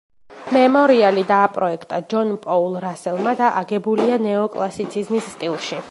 მემორიალი დააპროექტა ჯონ პოულ რასელმა და აგებულია ნეოკლასიციზმის სტილში.